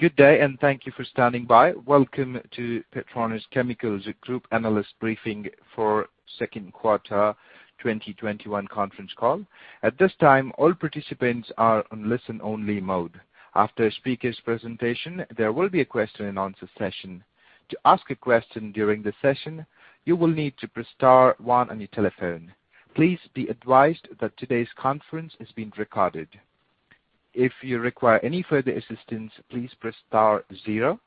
Good day, and thank you for standing by. Welcome to PETRONAS Chemicals Group analyst briefing for second quarter 2021 conference call. At this time all participants are in only-listen mode, after the speakers presentation there will be a question and answer session, to ask a question during the session you'll need to press star one on your telephone. Please be advised that todays conference is being recorded. If you require any further assistance please press star zero.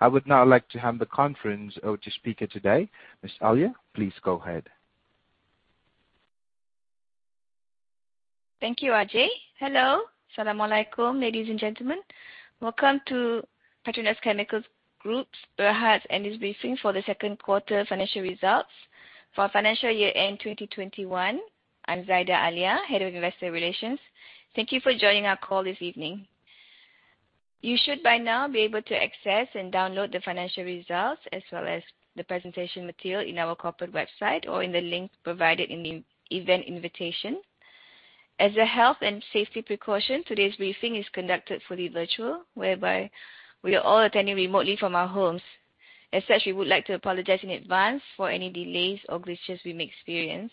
I would now like to hand the call to the speaker of today, Ms. Alia, please go ahead. Thank you, Ajay. Hello. Assalamualaikum, ladies and gentlemen. Welcome to PETRONAS Chemicals Group Berhad analyst briefing for the second quarter financial results for financial year-end 2021. I'm Zaida Alia, Head of Investor Relations. Thank you for joining our call this evening. You should by now be able to access and download the financial results as well as the presentation material in our corporate website or in the link provided in the event invitation. As a health and safety precaution, today's briefing is conducted fully virtual, whereby we are all attending remotely from our homes. As such, we would like to apologize in advance for any delays or glitches we may experience.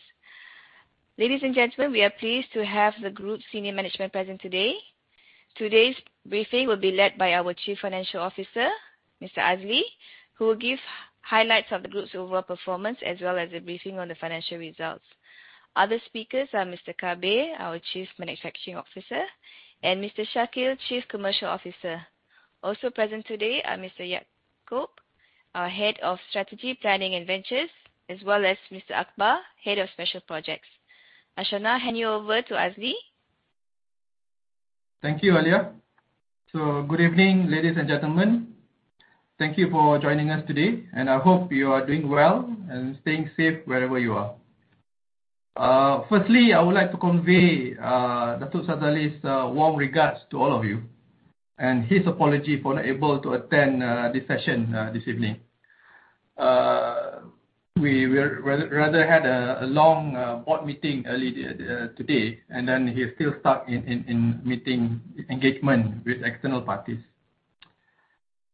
Ladies and gentlemen, we are pleased to have the group senior management present today. Today's briefing will be led by our Chief Financial Officer, Mr. Azli, who will give highlights of the group's overall performance, as well as a briefing on the financial results. Other speakers are Mr. Kabir, our Chief Manufacturing Officer, and Mr. Shakeel, Chief Commercial Officer. Also present today are Mr. Yaakob, our Head of Strategy, Planning, and Ventures, as well as Mr. Akbar, Head of Special Projects. I shall now hand you over to Azli. Thank you, Alia. Good evening, ladies and gentlemen. Thank you for joining us today, and I hope you are doing well and staying safe wherever you are. Firstly, I would like to convey Dato' Razali's warm regards to all of you and his apology for not able to attend this session this evening. We rather had a long board meeting earlier today, and then he is still stuck in meeting engagement with external parties.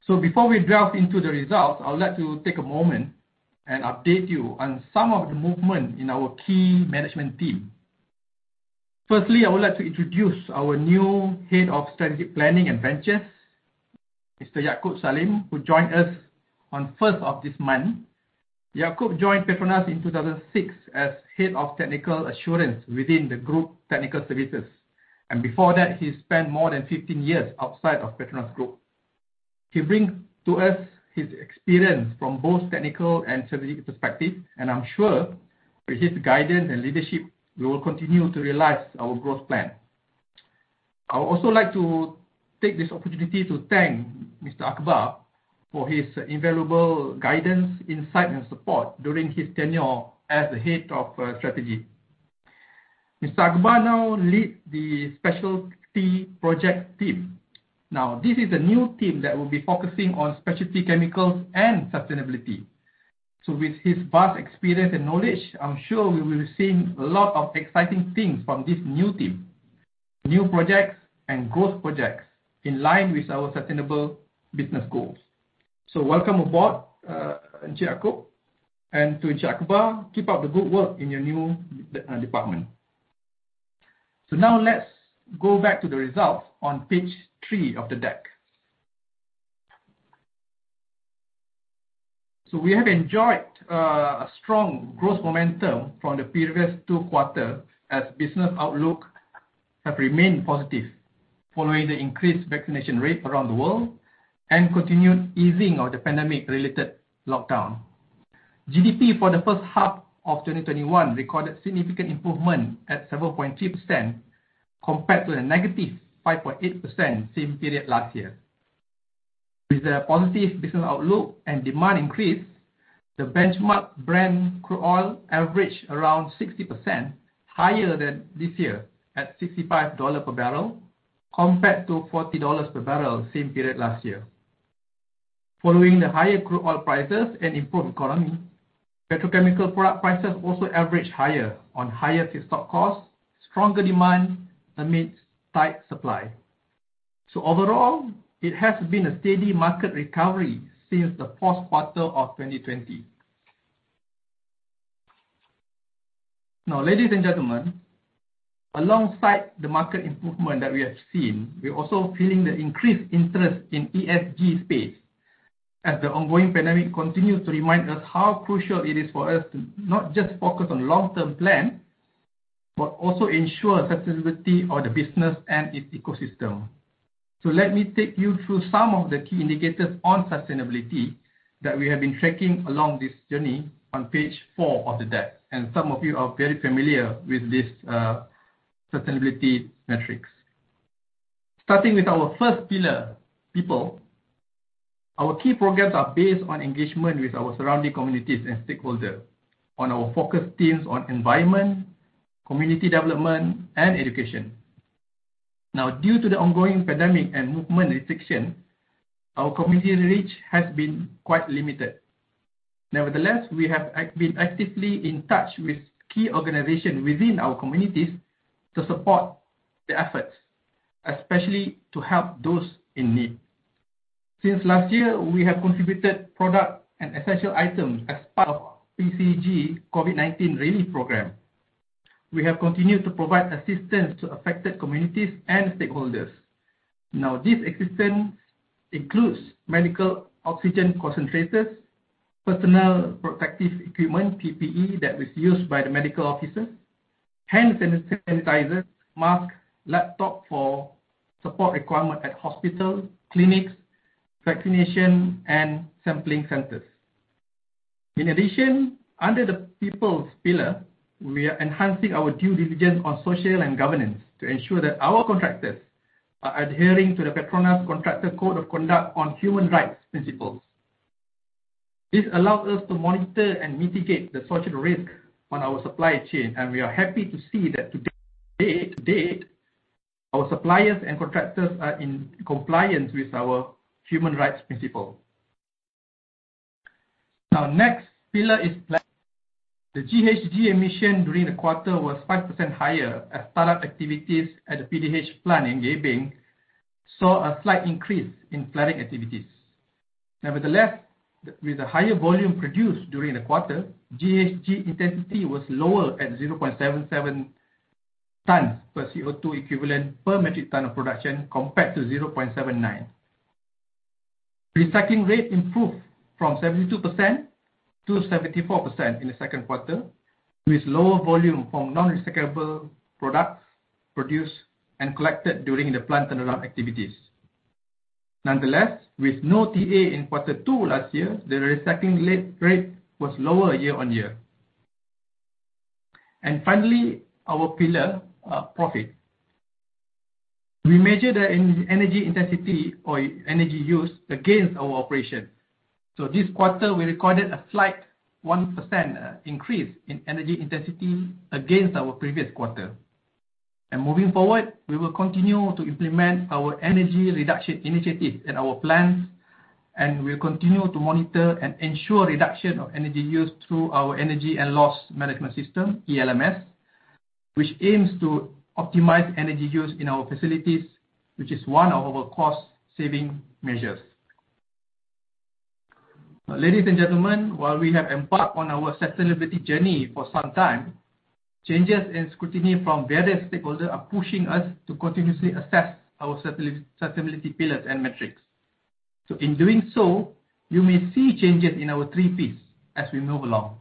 Before we delve into the results, I would like to take a moment and update you on some of the movement in our key management team. Firstly, I would like to introduce our new Head of Strategic Planning and Ventures, Mr. Yaakob Salim, who joined us on 1st of this month. Yaakob joined PETRONAS in 2006 as head of technical assurance within the group technical services. Before that, he spent more than 15 years outside of PETRONAS Group. He brings to us his experience from both technical and strategic perspective, and I'm sure with his guidance and leadership, we will continue to realize our growth plan. I would also like to take this opportunity to thank Mr. Akbar for his invaluable guidance, insight, and support during his tenure as the head of strategy. Mr. Akbar now lead the specialty project team. This is a new team that will be focusing on specialty chemicals and sustainability. With his vast experience and knowledge, I'm sure we will be seeing a lot of exciting things from this new team, new projects and growth projects in line with our sustainable business goals. Welcome aboard, Yaakob. To Akbar, keep up the good work in your new department. Now let's go back to the results on page three of the deck. We have enjoyed a strong growth momentum from the previous two quarter as business outlook have remained positive following the increased vaccination rate around the world and continued easing of the pandemic-related lockdown. GDP for the first half of 2021 recorded significant improvement at 7.3% compared to the -5.8% same period last year. With a positive business outlook and demand increase, the benchmark Brent crude oil averaged around 60% higher than this year at $65 per barrel, compared to $40 per barrel the same period last year. Following the higher crude oil prices and improved economy, petrochemical product prices also average higher on higher feedstock costs, stronger demand amidst tight supply. Overall, it has been a steady market recovery since the fourth quarter of 2020. Ladies and gentlemen, alongside the market improvement that we have seen, we're also feeling the increased interest in ESG space as the ongoing pandemic continues to remind us how crucial it is for us to not just focus on long-term plan, but also ensure sustainability of the business and its ecosystem. Let me take you through some of the key indicators on sustainability that we have been tracking along this journey on page four of the deck, and some of you are very familiar with this sustainability metrics. Starting with our first pillar, people. Our key programs are based on engagement with our surrounding communities and stakeholder on our focus themes on environment, community development, and education. Due to the ongoing pandemic and movement restriction, our community reach has been quite limited. Nevertheless, we have been actively in touch with key organizations within our communities to support the efforts, especially to help those in need. Since last year, we have contributed products and essential items as part of PCG COVID-19 relief program. We have continued to provide assistance to affected communities and stakeholders. This assistance includes medical oxygen concentrators, personal protective equipment, PPE, that was used by the medical officers, hand sanitizers, masks, laptop for support requirement at hospitals, clinics, vaccination, and sampling centers. In addition, under the people pillar, we are enhancing our due diligence on social and governance to ensure that our contractors are adhering to the PETRONAS Contractor Code of Conduct on human rights principles. This allows us to monitor and mitigate the social risk on our supply chain. We are happy to see that to date, our suppliers and contractors are in compliance with our human rights principle. Next pillar is planet. The GHG emission during the quarter was 5% higher as startup activities at the PDH plant in Gebeng saw a slight increase in plant activities. With the higher volume produced during the quarter, GHG intensity was lower at 0.77 tons per CO2 equivalent per metric ton of production, compared to 0.79. Recycling rate improved from 72%-74% in the second quarter, with lower volume from non-recyclable products produced and collected during the plant turnaround activities. With no TA in quarter two last year, the recycling rate was lower year-on-year. Finally, our pillar, profit. We measure the energy intensity or energy use against our operation. This quarter, we recorded a slight 1% increase in energy intensity against our previous quarter. Moving forward, we will continue to implement our energy reduction initiative at our plants, and we'll continue to monitor and ensure reduction of energy use through our energy and loss management system, ELMS, which aims to optimize energy use in our facilities, which is one of our cost-saving measures. Ladies and gentlemen, while we have embarked on our sustainability journey for some time, changes in scrutiny from various stakeholders are pushing us to continuously assess our sustainability pillars and metrics. In doing so, you may see changes in our three Ps as we move along.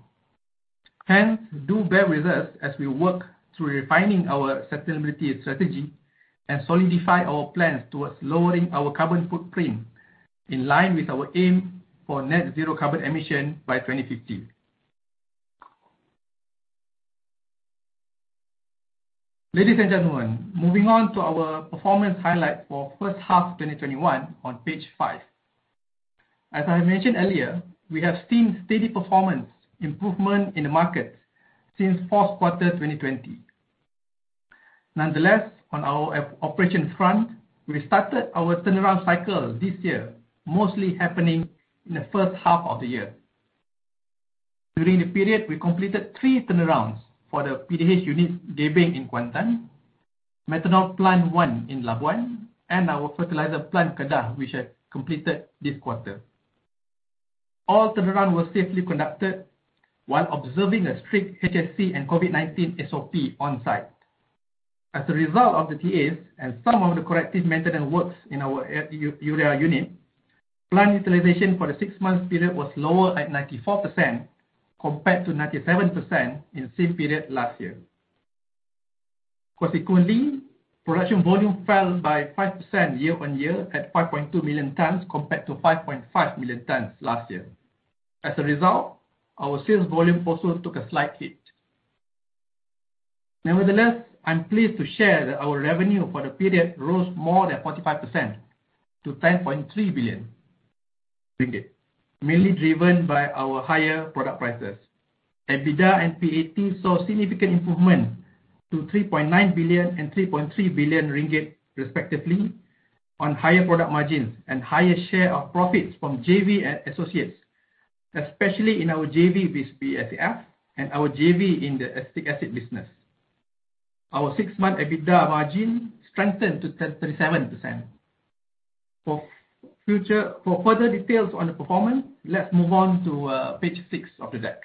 Do bear with us as we work through refining our sustainability strategy and solidify our plans towards lowering our carbon footprint, in line with our aim for net zero carbon emission by 2050. Ladies and gentlemen, moving on to our performance highlight for first half 2021 on page five. As I mentioned earlier, we have seen steady performance improvement in the markets since fourth quarter 2020. Nonetheless, on our operation front, we started our turnaround cycle this year, mostly happening in the first half of the year. During the period, we completed three turnarounds for the PDH unit, Gebeng in Kuantan, methanol Plant 1 in Labuan, and our fertilizer plant, Kedah, which had completed this quarter. All turnaround were safely conducted while observing a strict HSE and COVID-19 SOP on-site. As a result of the TAs and some of the corrective maintenance works in our urea unit, plant utilization for the six-month period was lower at 94% compared to 97% in same period last year. Consequently, production volume fell by 5% year-on-year at 5.2 million tons compared to 5.5 million tons last year. Our sales volume also took a slight hit. I'm pleased to share that our revenue for the period rose more than 45% to 10.3 billion ringgit, mainly driven by our higher product prices. EBITDA and PAT saw significant improvement to 3.9 billion and 3.3 billion ringgit, respectively, on higher product margins and higher share of profits from JV and associates, especially in our JV with BASF and our JV in the acetic acid business. Our six-month EBITDA margin strengthened to 37%. For further details on the performance, let's move on to page six of the deck.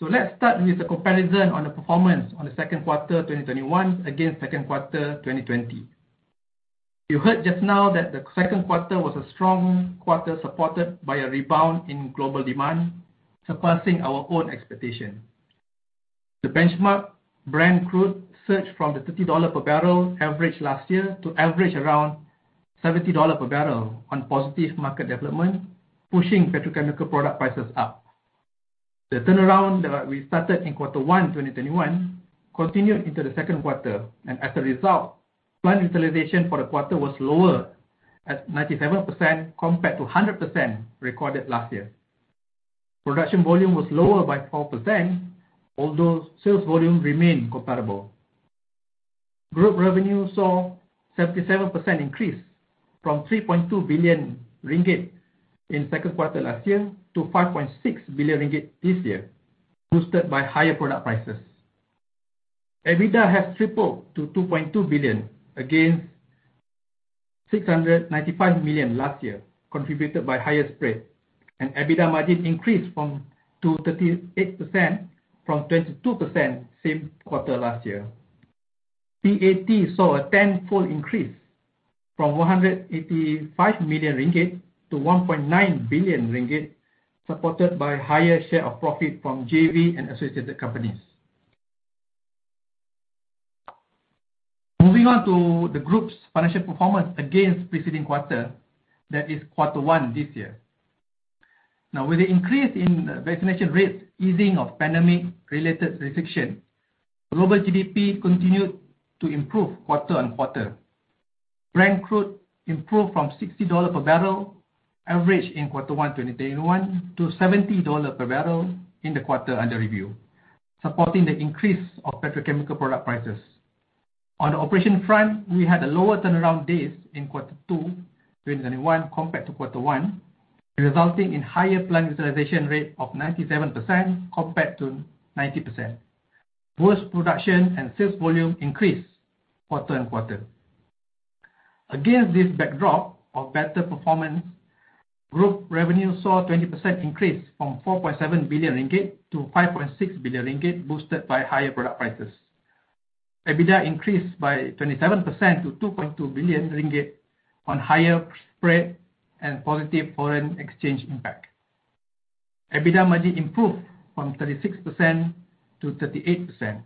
Let's start with the comparison on the performance on the second quarter 2021 against second quarter 2020. You heard just now that the second quarter was a strong quarter, supported by a rebound in global demand, surpassing our own expectation. The benchmark Brent crude surged from the MYR 30 per barrel average last year to average around MYR 70 per barrel on positive market development, pushing petrochemical product prices up. The turn around we started in quarter one 2021 continued into the second quarter. As a result, plant utilization for the quarter was lower at 97% compared to 100% recorded last year. Production volume was lower by 4%, although sales volume remained comparable. Group revenue saw 77% increase from 3.2 billion ringgit in second quarter last year to 5.6 billion ringgit this year, boosted by higher product prices. EBITDA has tripled to 2.2 billion against 695 million last year, contributed by higher spread and EBITDA margin increased to 38% from 22% same quarter last year. PAT saw a tenfold increase from 185 million ringgit to 1.9 billion ringgit, supported by higher share of profit from JV and associated companies. Moving on to the group's financial performance against preceding quarter, that is quarter one this year. With the increase in vaccination rates, easing of pandemic related restriction, global GDP continued to improve quarter on quarter. Brent crude improved from $60 per barrel average in quarter one2021 to $70 per barrel in the quarter under review, supporting the increase of petrochemical product prices. On the operation front, we had a lower turnaround days in quarter two 2021 compared to quarter one, resulting in higher plant utilization rate of 97% compared to 90%. Both production and sales volume increased quarter on quarter. Against this backdrop of better performance, group revenue saw 20% increase from 4.7 billion ringgit to 5.6 billion ringgit boosted by higher product prices. EBITDA increased by 27% to 2.2 billion ringgit on higher spread and positive foreign exchange impact. EBITDA margin improved from 36%-38%.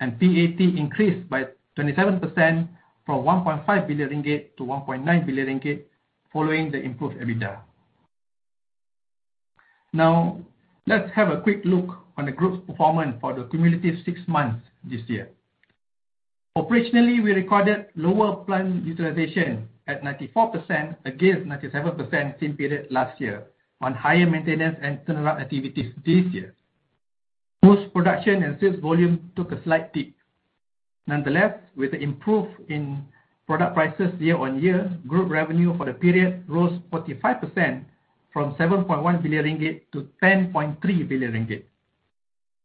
PAT increased by 27% from 1.5 billion ringgit to 1.9 billion ringgit following the improved EBITDA. Let's have a quick look on the group's performance for the cumulative six months this year. Operationally, we recorded lower plant utilization at 94% against 97% same period last year on higher maintenance and turnaround activities this year. Both production and sales volume took a slight peak. With the improvement in product prices year-on-year, group revenue for the period rose 45% from 7.1 billion ringgit to 10.3 billion ringgit.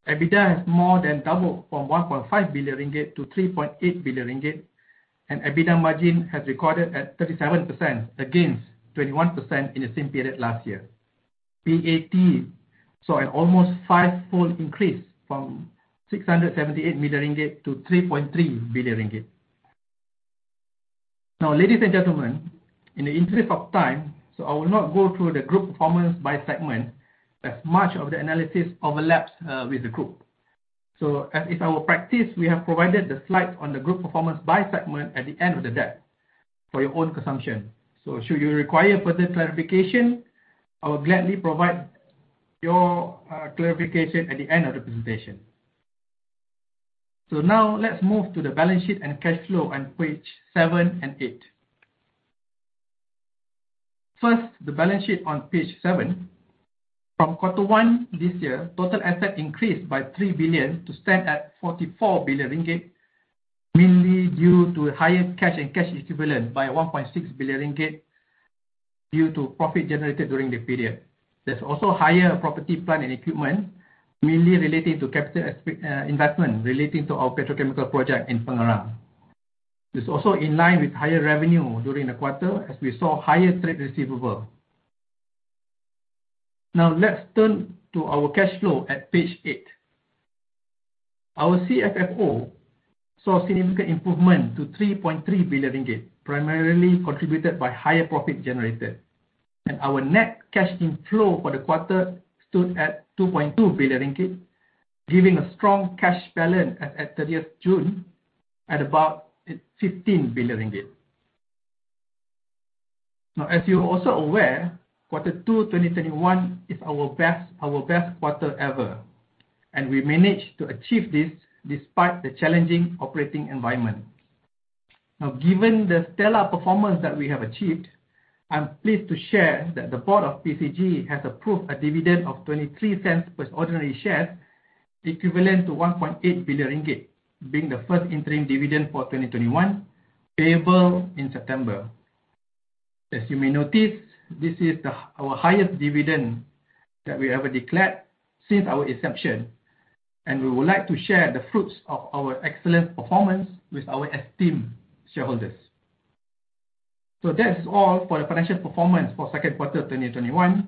EBITDA has more than doubled from 1.5 billion ringgit to 3.8 billion ringgit. EBITDA margin has recorded at 37% against 21% in the same period last year. PAT saw an almost fivefold increase from 678 million ringgit to 3.3 billion ringgit. Ladies and gentlemen, in the interest of time, I will not go through the group performance by segment, as much of the analysis overlaps with the group. As is our practice, we have provided the slide on the group performance by segment at the end of the deck for your own consumption. Should you require further clarification, I will gladly provide your clarification at the end of the presentation. Now let's move to the balance sheet and cash flow on page seven and eight. First, the balance sheet on page seven. From quarter onethis year, total asset increased by 3 billion to stand at 44 billion ringgit, mainly due to higher cash and cash equivalent by 1.6 billion ringgit, due to profit generated during the period. There's also higher property, plant, and equipment, mainly relating to capital investment relating to our petrochemical project in Pengerang. It's also in line with higher revenue during the quarter, as we saw higher trade receivable. Now let's turn to our cash flow at page eight. Our CFFO saw significant improvement to 3.3 billion ringgit, primarily contributed by higher profit generated. Our net cash inflow for the quarter stood at 2.2 billion ringgit, giving a strong cash balance as at 30th June at about 15 billion ringgit. Now, as you're also aware, quarter two 2021 is our best quarter ever. We managed to achieve this despite the challenging operating environment. Given the stellar performance that we have achieved, I'm pleased to share that the board of PCG has approved a dividend of 0.23 per ordinary shares, equivalent to 1.8 billion ringgit, being the first interim dividend for 2021, payable in September. As you may notice, this is our highest dividend that we ever declared since our inception, we would like to share the fruits of our excellent performance with our esteemed shareholders. That is all for the financial performance for second quarter 2021.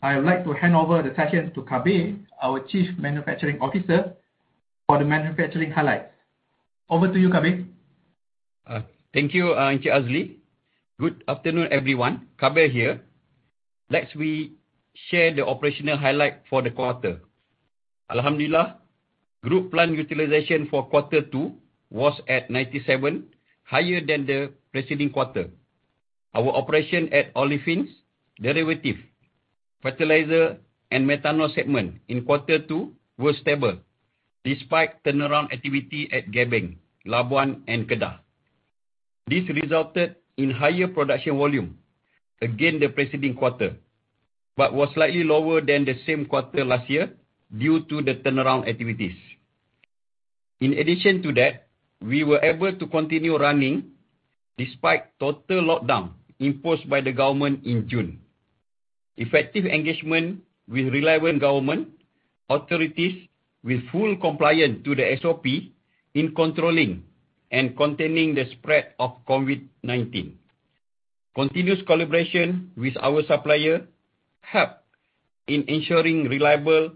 I would like to hand over the session to Kabir, our Chief Manufacturing Officer, for the manufacturing highlights. Over to you, Kabir. Thank you, Azli. Good afternoon, everyone. Kabir here. Next, we share the operational highlight for the quarter. Alhamdulillah, group plant utilization for quarter two was at 97%, higher than the preceding quarter. Our operation at Olefins, Derivatives, Fertilizer and Methanol segment in quarter two were stable despite turnaround activity at Gebeng, Labuan and Kedah. This resulted in higher production volume against the preceding quarter, but was slightly lower than the same quarter last year due to the turnaround activities. In addition to that, we were able to continue running despite total lockdown imposed by the government in June. Effective engagement with relevant government authorities with full compliance to the SOP in controlling and containing the spread of COVID-19. Continuous collaboration with our supplier helped in ensuring reliable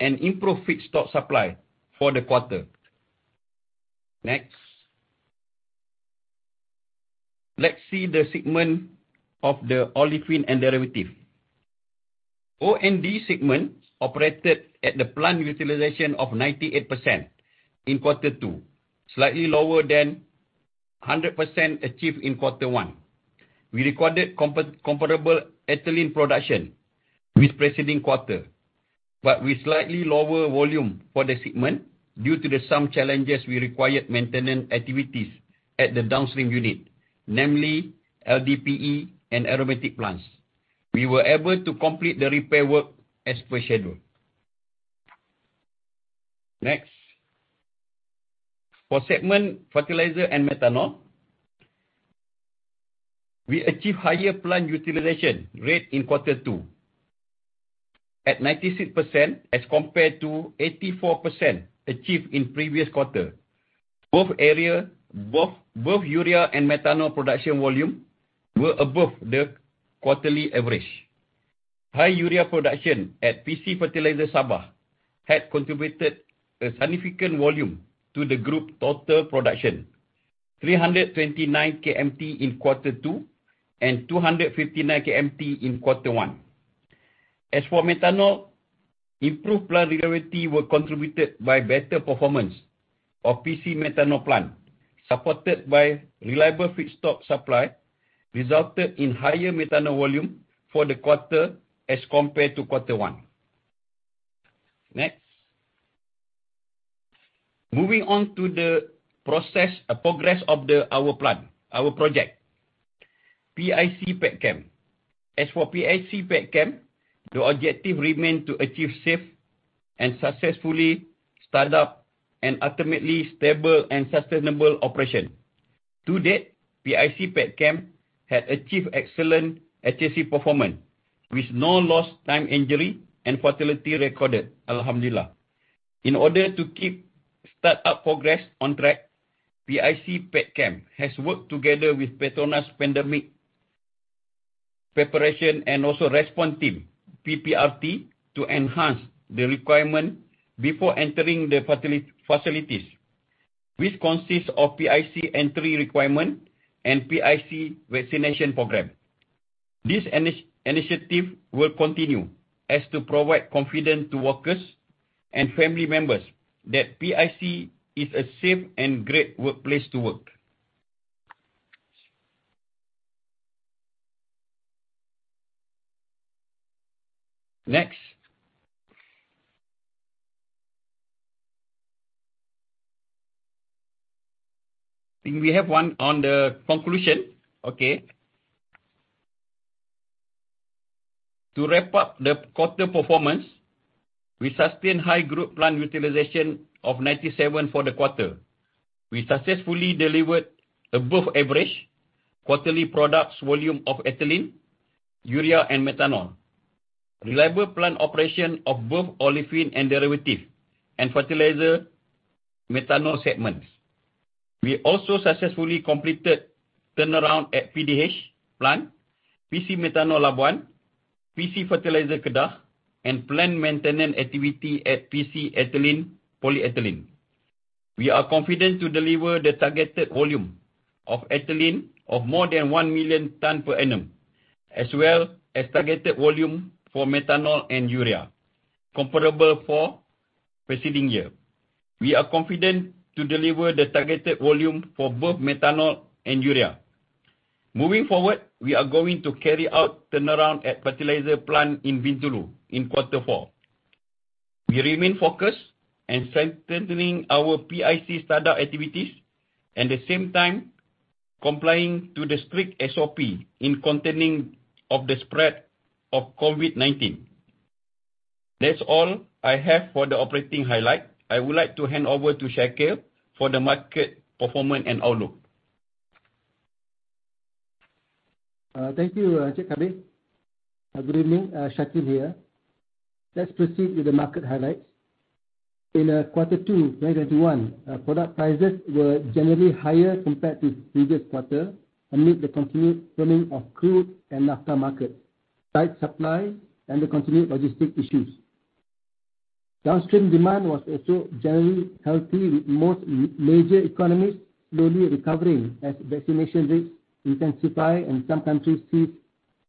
and improved feedstock supply for the quarter. Next. Let's see the segment of the Olefins & Derivatives. O&D segment operated at the plant utilization of 98% in quarter two, slightly lower than 100% achieved in quarter one. We recorded comparable ethylene production with preceding quarter, but with slightly lower volume for the segment due to some challenges we required maintenance activities at the downstream unit, namely LDPE and aromatic plants. We were able to complete the repair work as per schedule. Next. For segment Fertiliser & Methanol, we achieved higher plant utilization rate in quarter two at 96%, as compared to 84% achieved in previous quarter. Both urea and methanol production volume were above the quarterly average. High urea production at PC Fertiliser Sabah had contributed a significant volume to the group total production, 329 KMT in quarter two and 259 KMT in quarter one. As for methanol, improved plant reliability were contributed by better performance of PC methanol plant. Supported by reliable feedstock supply, resulted in higher methanol volume for the quarter as compared to quarter one. Next. Moving on to the progress of our project, PIC PETCHEM. The objective remain to achieve safe and successfully start up and ultimately stable and sustainable operation. To date, PIC PETCHEM had achieved excellent HSE performance, with no lost time injury and fatality recorded. Alhamdulillah. In order to keep start-up progress on track, PIC PETCHEM has worked together with PETRONAS Pandemic Preparation and also Respond Team, PPRT, to enhance the requirement before entering the facilities, which consists of PIC entry requirement and PIC Vaccination Program. This initiative will continue as to provide confidence to workers and family members that PIC is a safe and great workplace to work. Next. Think we have one on the conclusion. Okay. To wrap up the quarter performance, we sustained high group plant utilization of 97% for the quarter. We successfully delivered above average quarterly products volume of ethylene, urea and methanol. Reliable plant operation of both Olefins & Derivatives and Fertilizer & Methanol segments. We also successfully completed turnaround at PDH plant, PC Methanol Labuan, PC Fertiliser Kedah, and plant maintenance activity at PC Ethylene/Polyethylene. We are confident to deliver the targeted volume of ethylene of more than 1 million ton per annum, as well as targeted volume for methanol and urea, comparable for preceding year. We are confident to deliver the targeted volume for both methanol and urea. Moving forward, we are going to carry out turnaround at fertilizer plant in Bintulu in quarter four. We remain focused and strengthening our PIC start-up activities, at the same time complying to the strict SOP in containing of the spread of COVID-19. That's all I have for the operating highlight. I would like to hand over to Shakeel for the market performance and outlook. Thank you, Kabir. Good evening. Shakeel here. Let's proceed with the market highlights. In quarter two 2021, product prices were generally higher compared to previous quarter amid the continued firming of crude and naphtha market, tight supply and the continued logistic issues. Downstream demand was also generally healthy, with most major economies slowly recovering as vaccination rates intensify and some countries see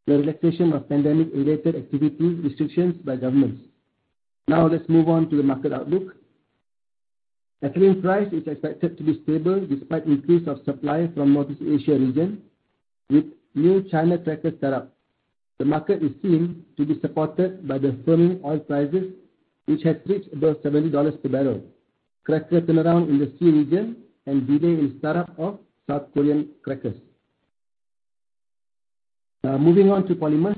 the relaxation of pandemic-related activity restrictions by governments. Now let's move on to the market outlook. Ethylene price is expected to be stable despite increase of supply from Northeast Asia region, with new China cracker start-up. The market is seen to be supported by the firming oil prices, which have reached above $70 per barrel. Cracker turnaround in the SEA region and delay in startup of South Korean crackers. Now moving on to polymers.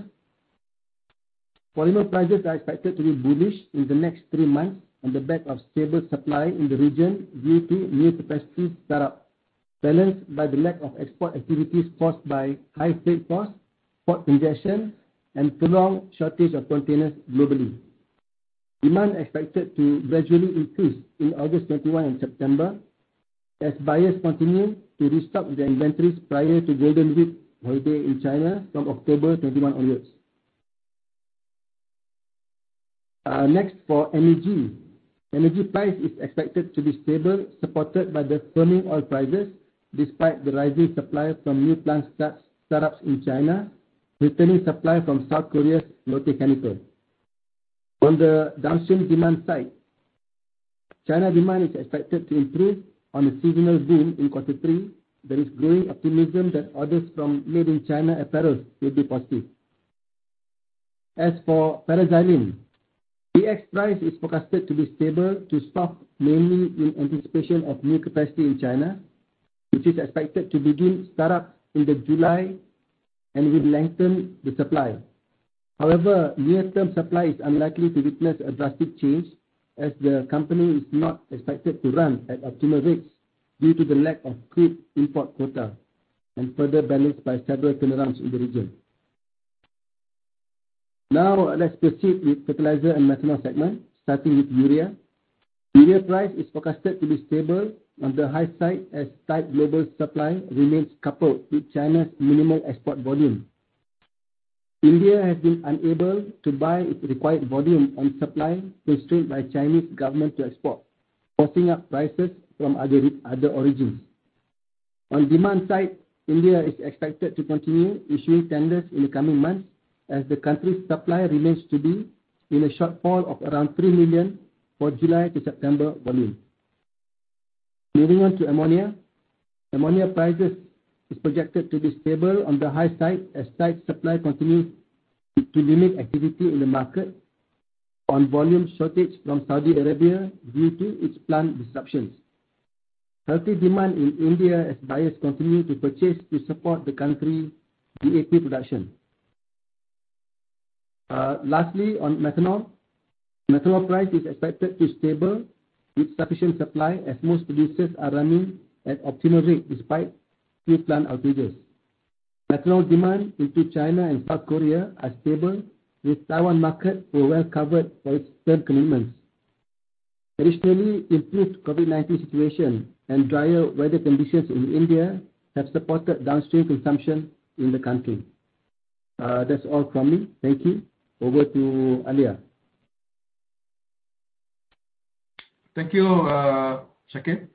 Polymer prices are expected to be bullish in the next three months on the back of stable supply in the region due to new capacity startup, balanced by the lack of export activities caused by high freight costs, port congestion, and prolonged shortage of containers globally. Demand expected to gradually increase in August 2021 and September, as buyers continue to restock their inventories prior to Golden Week holiday in China from October 2021 onwards. Next, for energy. Energy price is expected to be stable, supported by the firming oil prices, despite the rising supply from new plant startups in China, returning supply from South Korea's Lotte Chemical. On the downstream demand side, China demand is expected to improve on the seasonal boom in quarter three. There is growing optimism that orders from Made in China apparels will be positive. As for paraxylene, PX price is forecasted to be stable to soft, mainly in anticipation of new capacity in China, which is expected to begin startup in July and will lengthen the supply. However, near-term supply is unlikely to witness a drastic change as the company is not expected to run at optimal rates due to the lack of crude import quota, and further balanced by several turnarounds in the region. Now let's proceed with fertilizer and methanol segment, starting with urea. Urea price is forecasted to be stable on the high side as tight global supply remains coupled with China's minimal export volume. India has been unable to buy its required volume on supply constrained by Chinese government to export, forcing up prices from other origins. On demand side, India is expected to continue issuing tenders in the coming months as the country's supply remains to be in a shortfall of around 3 million for July to September volume. Moving on to ammonia. Ammonia prices is projected to be stable on the high side as tight supply continues to limit activity in the market on volume shortage from Saudi Arabia due to its plant disruptions. Healthy demand in India as buyers continue to purchase to support the country DAP production. On methanol. Methanol price is expected to be stable with sufficient supply as most producers are running at optimal rate despite few plant outages. Methanol demand into China and South Korea are stable, with Taiwan market were well covered for its term commitments. Improved COVID-19 situation and drier weather conditions in India have supported downstream consumption in the country. That's all from me. Thank you. Over to Alia. Thank you, Shakeel.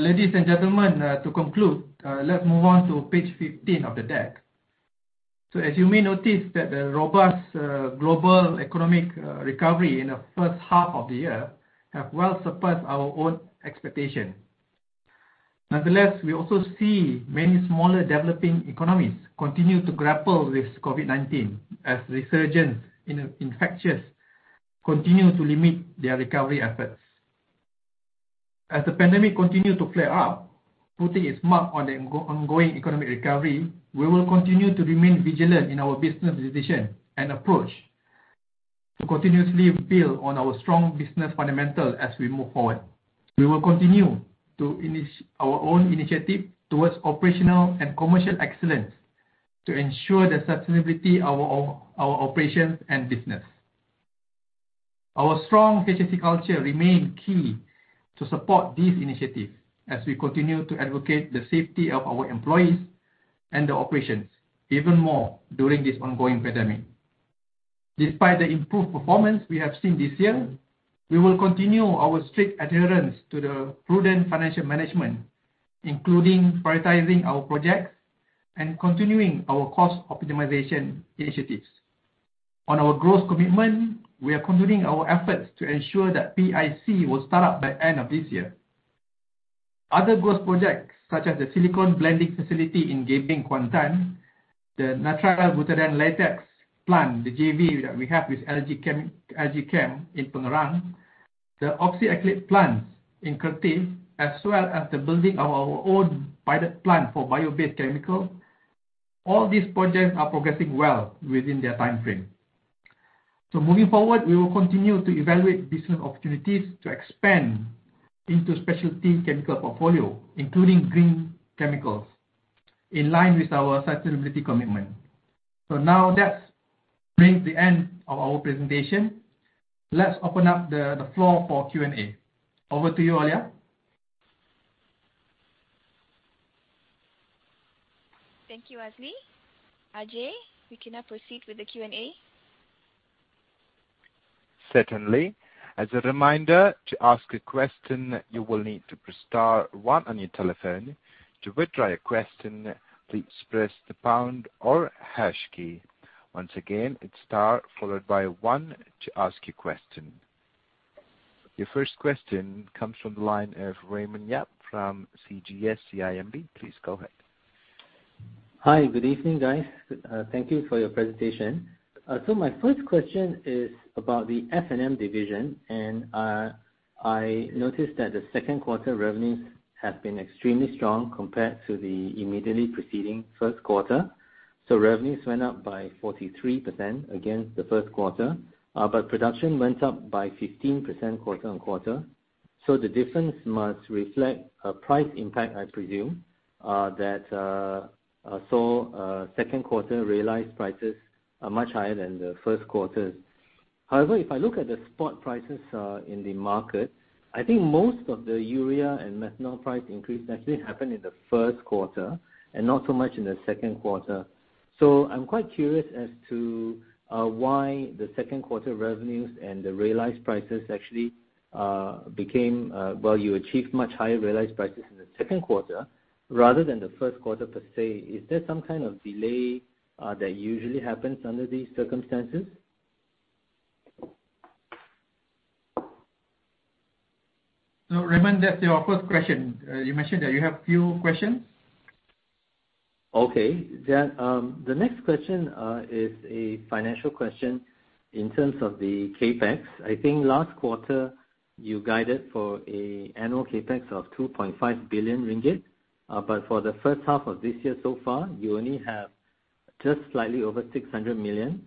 Ladies and gentlemen, to conclude, let's move on to page 15 of the deck. As you may notice that the robust global economic recovery in the first half of the year have well surpassed our own expectation. Nonetheless, we also see many smaller developing economies continue to grapple with COVID-19 as resurgence in infections continue to limit their recovery efforts. As the pandemic continue to flare up, putting its mark on the ongoing economic recovery, we will continue to remain vigilant in our business decision and approach to continuously build on our strong business fundamentals as we move forward. We will continue our own initiative towards operational and commercial excellence to ensure the sustainability of our operations and business. Our strong HSE culture remain key to support these initiatives as we continue to advocate the safety of our employees and the operations even more during this ongoing pandemic. Despite the improved performance we have seen this year, we will continue our strict adherence to the prudent financial management, including prioritizing our projects and continuing our cost optimization initiatives. On our growth commitment, we are continuing our efforts to ensure that PIC will start up by end of this year. Other growth projects such as the silicone blending facility in Gebeng, Kuantan, the Nitrile Butadiene Latex plant, the JV that we have with LG Chem in Pengerang, the oxyethylene plants in Kerteh, as well as the building of our own pilot plant for bio-based chemical. All these projects are progressing well within their timeframe. Moving forward, we will continue to evaluate business opportunities to expand into specialty chemical portfolio, including green chemicals, in line with our sustainability commitment. Now that brings the end of our presentation. Let's open up the floor for Q&A. Over to you, Alia. Thank you, Azli. Ajay, we can now proceed with the Q&A. Certainly. As a reminder, to ask a question, you will need to press star one on your telephone. To withdraw your question, please press the pound or hash key. Once again, it's star followed by one to ask your question. Your first question comes from the line of Raymond Yap from CGS-CIMB. Please go ahead. Hi. Good evening, guys. Thank you for your presentation. My first question is about the F&M division. I noticed that the second quarter revenues have been extremely strong compared to the immediately preceding first quarter. Revenues went up by 43% against the first quarter, but production went up by 15% quarter-on-quarter. The difference must reflect a price impact, I presume, that saw second quarter realized prices are much higher than the first quarter. However, if I look at the spot prices in the market, I think most of the urea and methanol price increase actually happened in the first quarter and not so much in the second quarter. I'm quite curious as to why the second quarter revenues and the realized prices actually you achieved much higher realized prices in the second quarter rather than the first quarter, per se. Is there some kind of delay that usually happens under these circumstances? Raymond, that's your first question. You mentioned that you have few questions? Okay. The next question is a financial question in terms of the CapEx. Last quarter you guided for annual CapEx of 2.5 billion ringgit. For the first half of this year so far, you only have just slightly over 600 million.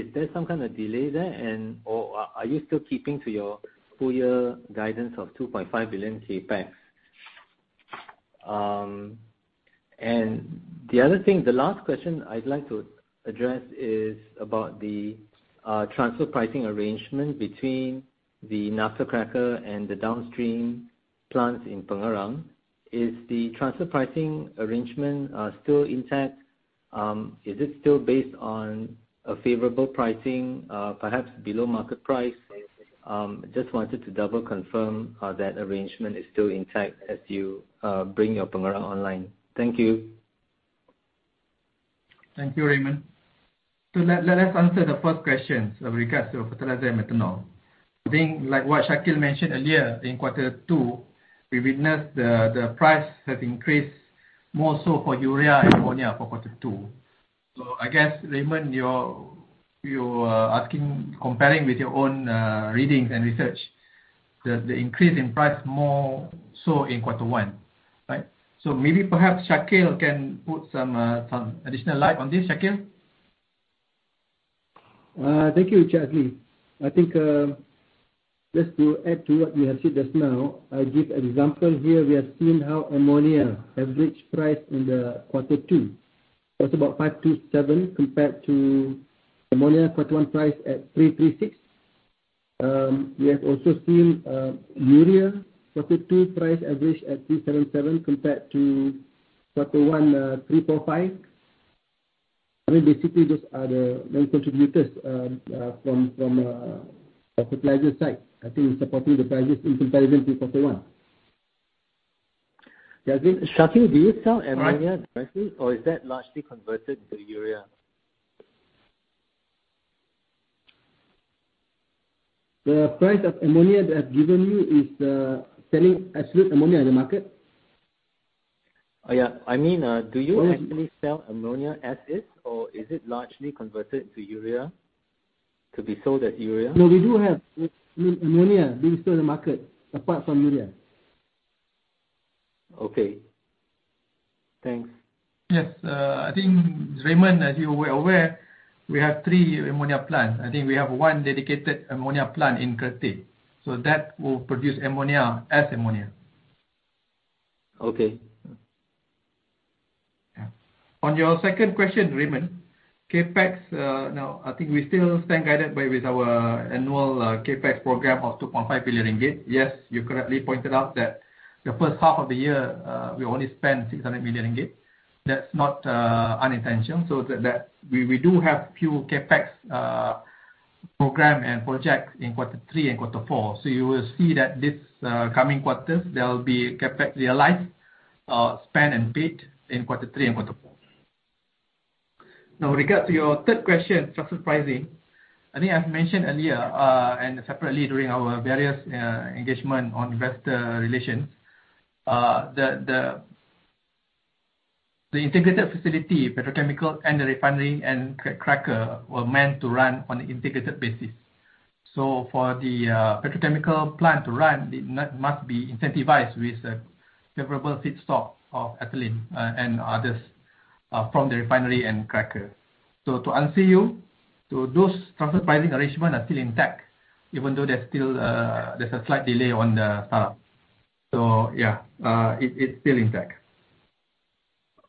Is there some kind of delay there and/or are you still keeping to your full-year guidance of 2.5 billion CapEx? The other thing, the last question I'd like to address is about the transfer pricing arrangement between the naphtha cracker and the downstream plants in Pengerang. Is the transfer pricing arrangement still intact? Is it still based on a favorable pricing, perhaps below market price? Just wanted to double confirm that arrangement is still intact as you bring your Pengerang online. Thank you. Thank you, Raymond. Let us answer the first question with regards to fertilizer and methanol. I think like what Shakeel mentioned earlier, in quarter two, we witnessed the price has increased more so for urea and ammonia for quarter two. I guess, Raymond, you're asking, comparing with your own readings and research, the increase in price more so in quarter one, right? Maybe perhaps Shakeel can put some additional light on this. Shakeel? Thank you, Azli. Just to add to what you have said just now, I give example here, we have seen how ammonia average price in the quarter two was about $527 compared to ammonia quarter one price at $336. We have also seen urea quarter two price average at $377 compared to quarter one $345. Basically those are the main contributors from a fertilizer side, supporting the prices in comparison to quarter one. Shakeel, do you sell ammonia directly or is that largely converted to urea? The price of ammonia that I've given you is the selling absolute ammonia in the market. Yeah. I mean, do you actually sell ammonia as is or is it largely converted into urea to be sold as urea? No, we do have ammonia being sold in the market apart from urea. Okay. Thanks. Yes. I think, Raymond, as you were aware, we have three ammonia plants. I think we have one dedicated ammonia plant in Kerteh. That will produce ammonia as ammonia. Okay. Yeah. On your second question, Raymond Yap, CapEx, now I think we still stand guided by with our annual CapEx program of 2.5 billion ringgit. Yes, you correctly pointed out that the first half of the year, we only spent 600 million ringgit. That's not unintentional. We do have few CapEx program and projects in quarter three and quarter four. You will see that this coming quarters, there'll be CapEx realized, spent and paid in quarter three and quarter four. Now regard to your third question, transfer pricing. I think I've mentioned earlier, and separately during our various engagement on investor relations, the integrated facility petrochemical and the refinery and cracker were meant to run on an integrated basis. For the petrochemical plant to run, it must be incentivized with a favorable feedstock of ethylene and others from the refinery and cracker. To answer you, so those transfer pricing arrangements are still intact, even though there's a slight delay on the startup. Yeah, it's still intact.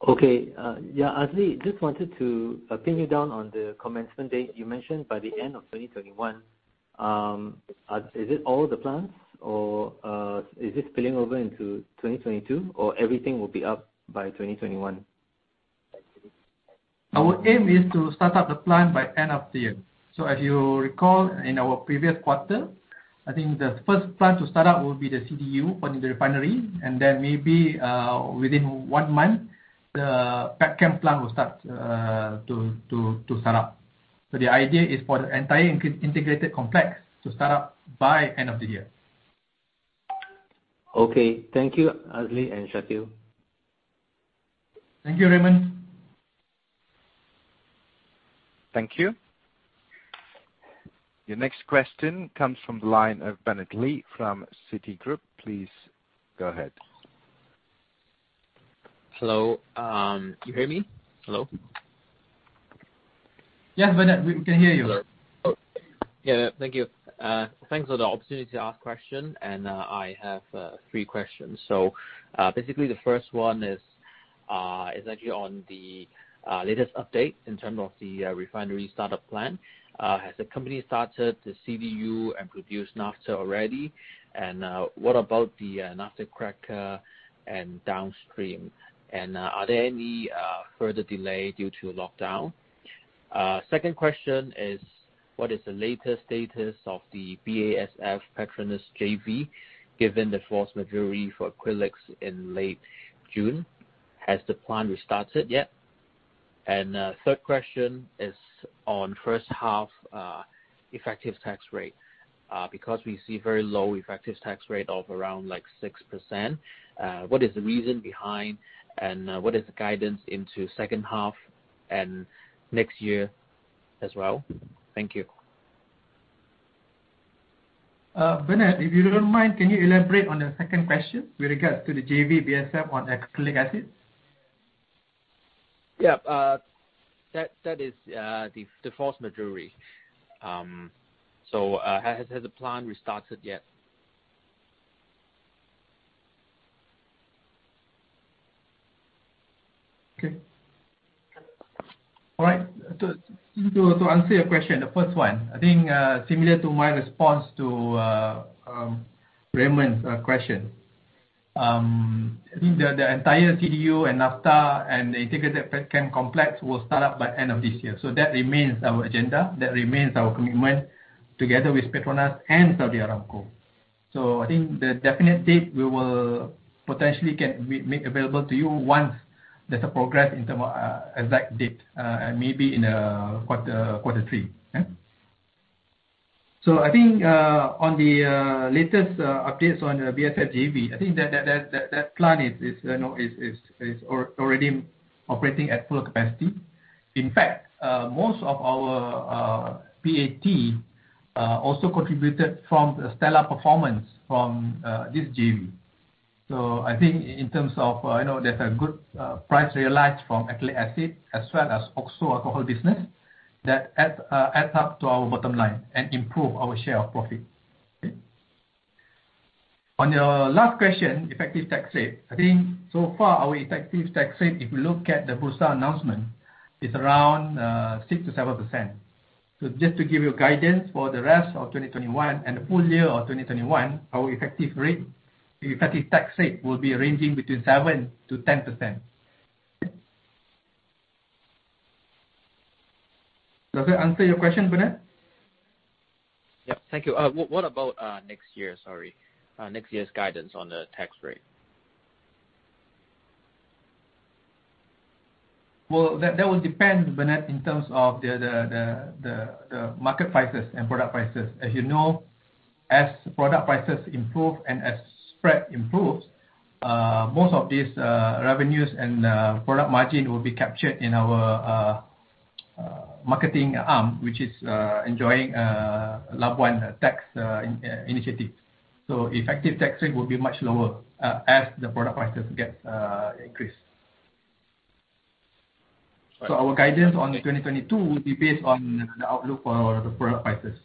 Okay. Yeah, Azli, just wanted to pin you down on the commencement date. You mentioned by the end of 2021. Is it all the plants or is it spilling over into 2022 or everything will be up by 2021? Our aim is to start up the plant by end of the year. If you recall in our previous quarter, I think the first plant to start up will be the CDU, part of the refinery, and then maybe within one month, the petchem plant will start to start up. The idea is for the entire integrated complex to start up by end of the year. Okay. Thank you, Azli and Shakeel. Thank you, Raymond. Thank you. Your next question comes from the line of Bernard Li from Citigroup. Please go ahead. Hello. Can you hear me? Hello? Yes, Bernard, we can hear you. Hello. Yeah. Thank you. Thanks for the opportunity to ask questions. I have three questions. The first one is actually on the latest update in terms of the refinery startup plan. Has the company started the CDU and produced naphtha already? What about the naphtha cracker and downstream? Are there any further delays due to lockdown? Second question is, what is the latest status of the BASF PETRONAS JV, given the force majeure for acrylics in late June? Has the plant restarted yet? Third question is on first half effective tax rate. We see very low effective tax rate of around 6%. What is the reason behind, and what is the guidance into second half and next year as well? Thank you. Bernard, if you don't mind, can you elaborate on the second question with regards to the JV BASF on acrylic acid? Yeah. That is the force majeure. Has the plant restarted yet? Okay. All right. To answer your question, the first one, I think similar to my response to Raymond's question. I think the entire CDU and naphtha and the integrated petchem complex will start up by end of this year. That remains our agenda, that remains our commitment together with PETRONAS and Saudi Aramco. I think the definite date we will potentially make available to you once there's a progress in term of exact date, and maybe in quarter three. Yeah. I think on the latest updates on the BASF JV, I think that plant is already operating at full capacity. In fact, most of our PAT also contributed from the stellar performance from this JV. I think in terms of, there's a good price realized from acrylic acid as well as oxo alcohol business that adds up to our bottom line and improve our share of profit. Okay. On your last question, effective tax rate, I think so far our effective tax rate, if you look at the Bursa announcement, is around 6%-7%. Just to give you guidance for the rest of 2021 and the full year of 2021, our effective tax rate will be ranging between 7%-10%. Okay. Does that answer your question, Bernard? Yep. Thank you. What about next year? Sorry. Next year's guidance on the tax rate. Well, that will depend, Bernard, in terms of the market prices and product prices. As you know, as product prices improve and as spread improves, most of these revenues and product margin will be captured in our marketing arm, which is enjoying Labuan tax initiative. Effective tax rate will be much lower, as the product prices get increased. All right. Our guidance on 2022 will be based on the outlook for the product prices.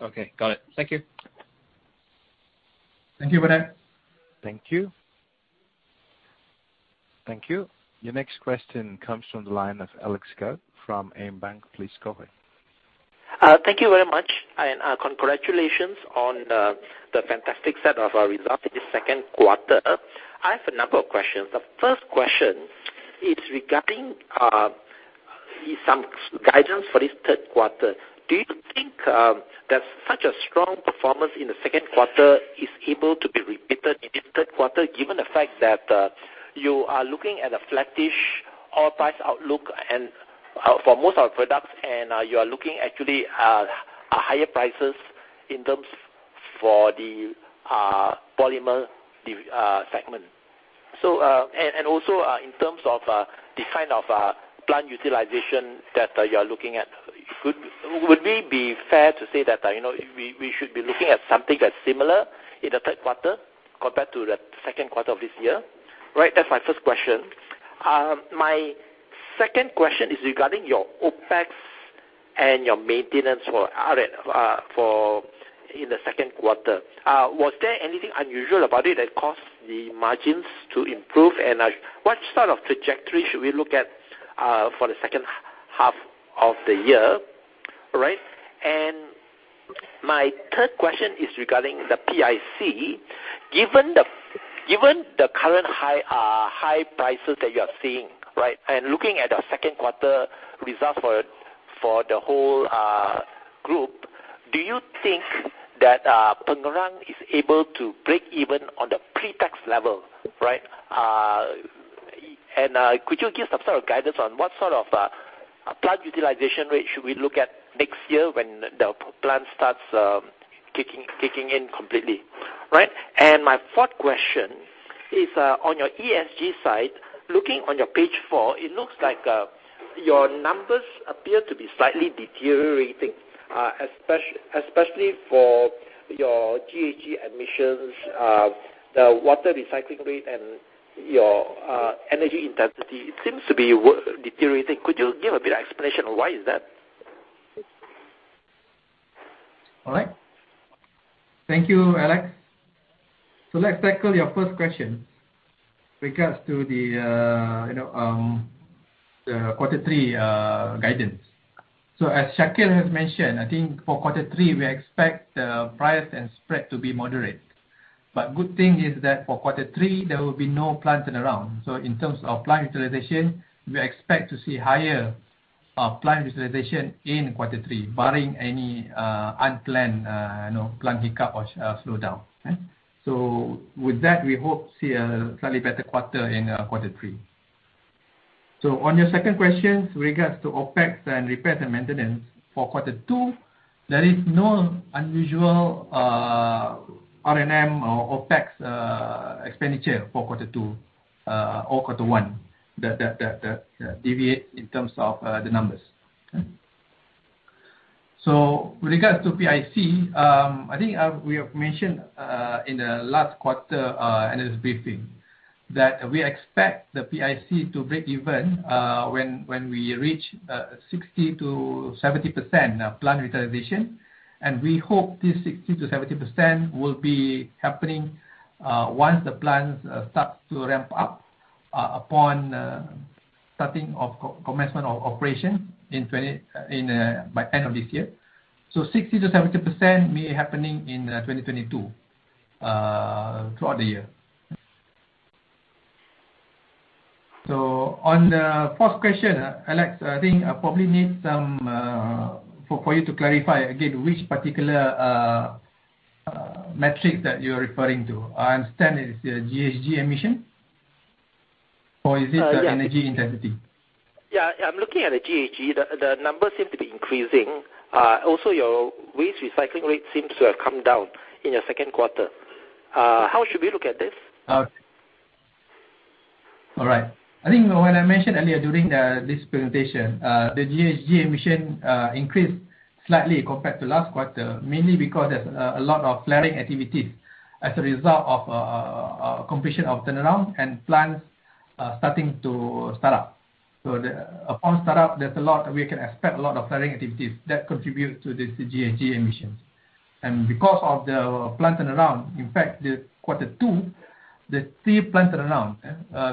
Okay, got it. Thank you. Thank you, Bernard. Thank you. Thank you. Your next question comes from the line of Alex Goh from AmBank. Please go ahead. Thank you very much, and congratulations on the fantastic set of results in the second quarter. I have a number of questions. The first question is regarding some guidance for this third quarter. Do you think that such a strong performance in the second quarter is able to be repeated in the third quarter, given the fact that you are looking at a flattish oil price outlook and for most of our products, and you are looking actually at higher prices in terms for the polymer segment? Also, in terms of the kind of plant utilization that you are looking at, would we be fair to say that we should be looking at something as similar in the third quarter compared to the second quarter of this year, right? That's my first question. My second question is regarding your OpEx and your maintenance in the second quarter. Was there anything unusual about it that caused the margins to improve? What sort of trajectory should we look at for the second half of the year, right? My third question is regarding the PIC. Given the current high prices that you are seeing, right, and looking at the second quarter results for the whole group, do you think that Pengerang is able to break even on the pre-tax level, right? Could you give some sort of guidance on what sort of plant utilization rate should we look at next year when the plant starts kicking in completely? My fourth question is on your ESG side. Looking on your page four, it looks like your numbers appear to be slightly deteriorating, especially for your GHG emissions, the water recycling rate, and your energy intensity. It seems to be deteriorating. Could you give a bit explanation why is that? All right. Thank you, Alex. Let's tackle your first question regards to the quarter three guidance. As Shakeel has mentioned, I think for quarter three, we expect the price and spread to be moderate. Good thing is that for quarter three, there will be no plant turnaround. In terms of plant utilization, we expect to see higher plant utilization in quarter three, barring any unplanned plant hiccup or slowdown. With that, we hope to see a slightly better quarter in quarter three. On your second question, regards to OpEx and repairs and maintenance for quarter two, there is no unusual R&M or OpEx expenditure for quarter two or quarter one that deviate in terms of the numbers. With regards to PIC, I think we have mentioned in the last quarter analyst briefing that we expect the PIC to break even when we reach 60%-70% plant utilization. We hope this 60%-70% will be happening once the plant starts to ramp up upon commencement of operation by end of this year. 60%-70% may be happening in 2022, throughout the year. On the fourth question, Alex, I think I probably need for you to clarify again which particular metric that you're referring to. I understand it's the GHG emission. Or is it the energy intensity? Yeah, I'm looking at the GHG. The numbers seem to be increasing. Your waste recycling rate seems to have come down in your second quarter. How should we look at this? All right. I think when I mentioned earlier during this presentation, the GHG emission increased slightly compared to last quarter, mainly because there's a lot of flaring activities as a result of completion of turnaround and plants starting to start up. Upon startup, we can expect a lot of flaring activities that contribute to the GHG emissions. Because of the plant turnaround, in fact, the 2Q, there are three plant turnaround.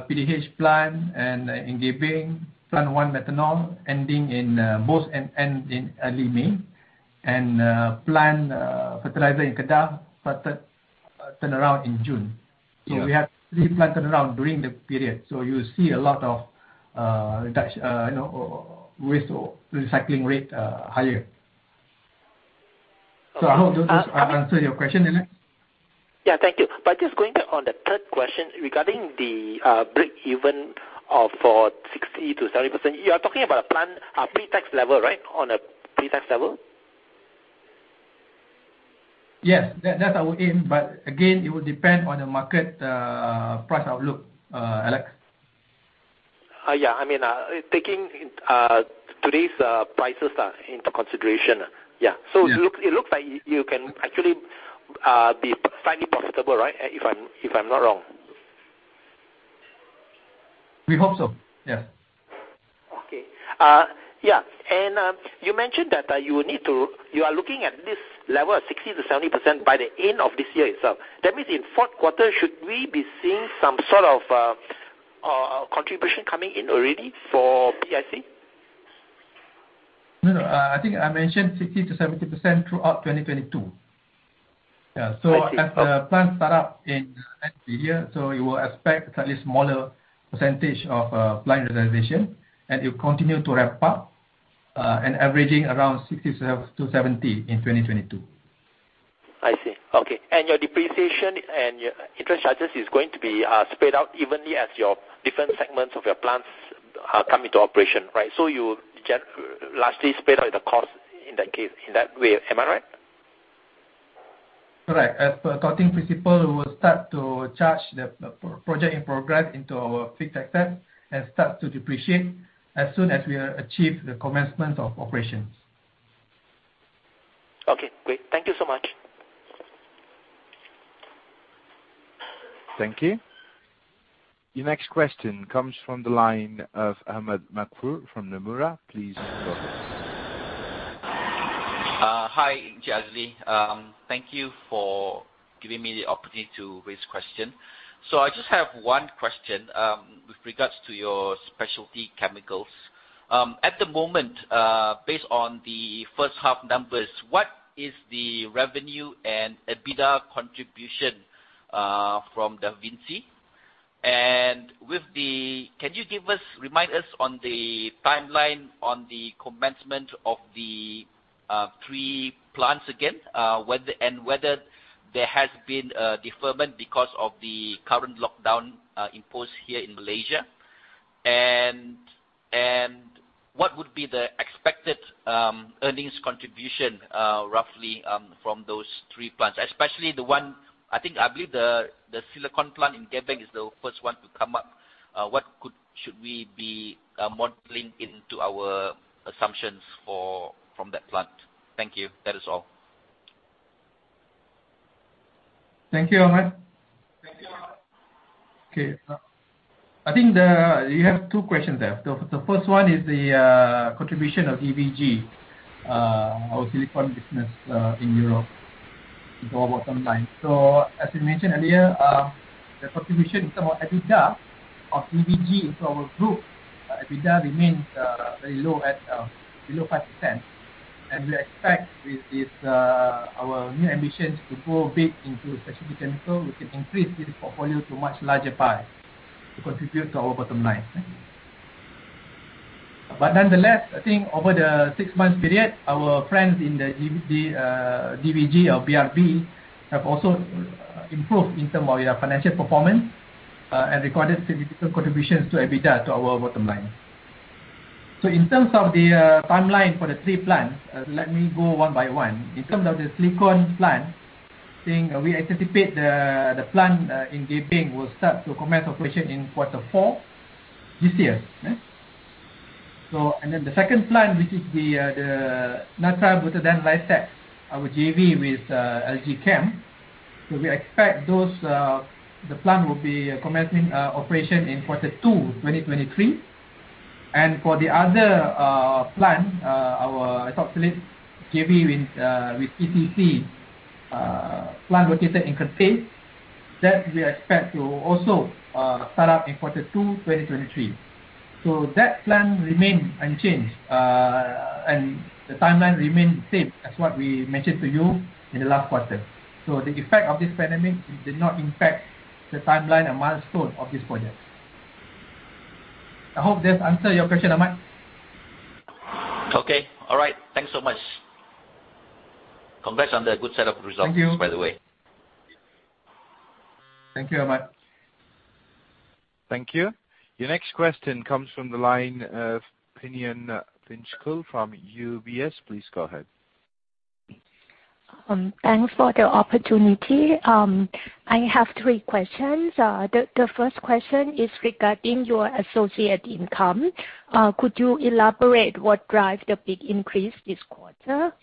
PDH plant and in Gebeng, plant one methanol, both end in early May. Plant fertilizer in Kedah started turnaround in June. Yeah. We have three plant turnaround during the period. You see a lot of waste recycling rate higher. I hope those answers your question, Alex Goh. Yeah, thank you. Just going back on the third question regarding the break-even for 60% to 70%. You are talking about a pre-tax level, right? On a pre-tax level? Yes. That's our aim, but again, it will depend on the market price outlook, Alex. Yeah. Taking today's prices into consideration. Yeah. Yeah. It looks like you can actually be slightly profitable, right? If I'm not wrong. We hope so, yeah. Okay. Yeah. You mentioned that you are looking at this level of 60%-70% by the end of this year itself. That means in fourth quarter, should we be seeing some sort of contribution coming in already for PIC? No. I think I mentioned 60%-70% throughout 2022. Yeah. Thank you. As the plant startup in the end of the year, so you will expect a slightly smaller percentage of plant utilization and it will continue to ramp up and averaging around 60%-70% in 2022. I see. Okay. Your depreciation and your interest charges is going to be spread out evenly as your different segments of your plants come into operation, right? You get largely spread out the cost in that way. Am I right? Correct. As per accounting principle, we will start to charge the project in progress into our fixed asset and start to depreciate as soon as we achieve the commencement of operations. Okay, great. Thank you so much. Thank you. Your next question comes from the line of Ahmad Maghfur from Nomura. Please go ahead. Hi, Azli. Thank you for giving me the opportunity to raise question. I just have one question with regards to your specialty chemicals. At the moment, based on the first half numbers, what is the revenue and EBITDA contribution from Da Vinci? Can you remind us on the timeline on the commencement of the three plants again, and whether there has been a deferment because of the current lockdown imposed here in Malaysia. What would be the expected earnings contribution, roughly, from those three plants? Especially the one, I believe the silicone plant in Gebeng is the first one to come up. What should we be modeling into our assumptions from that plant? Thank you. That is all. Thank you, Ahmad. I think you have two questions there. The first one is the contribution of DVG, our silicone business in Europe to our bottom line. As we mentioned earlier, the contribution in terms of EBITDA of DVG into our group EBITDA remains very low at below 5%. We expect with our new ambition to grow big into specialty chemical, we can increase this portfolio to much larger part to contribute to our bottom line. Nonetheless, I think over the six-month period, our friends in the DVG or BRB have also improved in terms of their financial performance and recorded significant contributions to EBITDA to our bottom line. In terms of the timeline for the three plants, let me go one by one. In terms of the silicone plant, I think we anticipate the plant in Gebeng will start to commence operation in quarter four this year. The second plant, which is the Nitrile Butadiene Latex, our JV with LG Chem, we expect the plant will be commencing operation in quarter two 2023. For the other plant, our ethoxylate JV with PCC SE plant located in Kuantan, that we expect to also start up in quarter two 2023. That plan remain unchanged, the timeline remain the same as what we mentioned to you in the last quarter. The effect of this pandemic did not impact the timeline and milestone of this project. I hope this answer your question, Ahmad. Okay. All right. Thanks so much. Congrats on the good set of results. Thank you. by the way. Thank you, Ahmad. Thank you. Your next question comes from the line of [Pinyan Pinchcon] from UBS. Please go ahead. Thanks for the opportunity. I have three questions. The first question is regarding your associate income. Could you elaborate what drive the big increase this quarter?